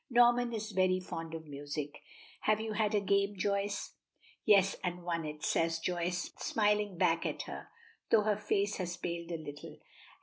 Norman is very fond of music. Have you had a game, Joyce?" "Yes, and won it," says Joyce, smiling back at her, though her face has paled a little.